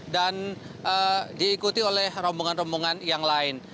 dan diikuti oleh rombongan rombongan yang lain